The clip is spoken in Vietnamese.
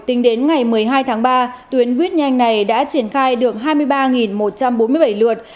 tính đến ngày một mươi hai tháng ba tuyến buýt nhanh này đã triển khai được hai mươi ba một trăm bốn mươi bảy lượt